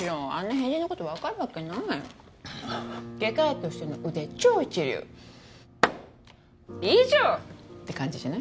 変人のこと分かるわけない外科医としての腕超一流「以上」って感じじゃない？